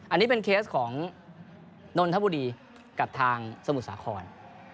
อันนี้เป็นเคสของนนทบุรีกับทางสมุทรสาคร